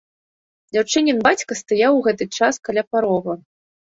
Дзяўчынін бацька стаяў у гэты час каля парога.